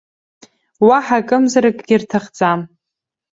Уаҳа акымзаракгьы рҭахӡам!